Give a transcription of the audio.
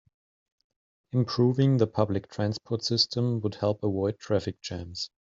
Improving the public transport system would help avoid traffic jams.